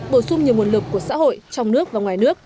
bổ sung nhiều nguồn lực của xã hội trong nước và ngoài nước